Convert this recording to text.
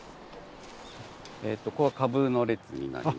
えーここはかぶの列になります。